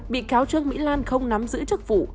bị cáo trương mỹ lan không nắm giữ chức vụ